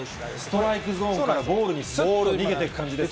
ストライクゾーンから横に逃げていく感じですね。